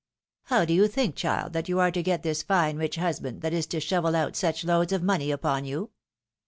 How do you think, child, that you are to get this fine rich husband that is to shovel out such loads of money Tjpon you?